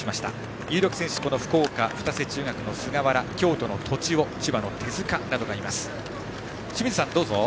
有力選手は福岡の菅原京都の杤尾千葉の手塚などがいます。